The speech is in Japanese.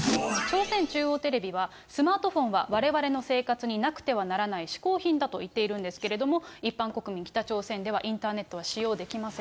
朝鮮中央テレビはスマートフォンはわれわれの生活になくてはならないしこう品だと言っているんですけれども、一般国民、北朝鮮ではインターネットは使用できません。